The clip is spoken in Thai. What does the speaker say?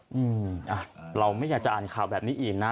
อืมอ่ะเราไม่อยากจะอ่านข่าวแบบนี้อีกนะ